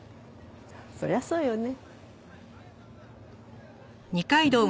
そりゃそうよね。